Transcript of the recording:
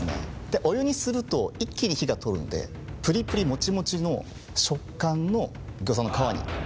お湯にすると一気に火が通るのでプリプリもちもちの食感のギョーザの皮に変わるんです。